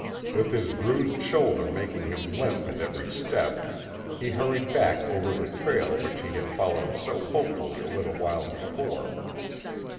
With his bruised shoulder making him limp at every step he hurried back over the trail which he had followed so hopefully a little while before.